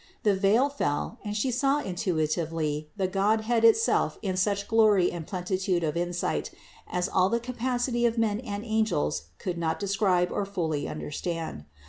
The veil fell and She saw intui tively the Godhead itself in such glory and plenitude of insight, as all the capacity of men and angels could not describe or fully understand.